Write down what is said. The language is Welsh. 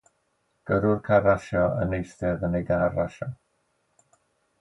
Gyrrwr car rasio yn eistedd yn ei gar rasio